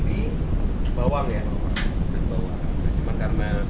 bumbu yang paling penting adalah bumbu yang berbeda dengan bumbu yang lainnya